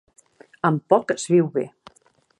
Amb poc es viu bé.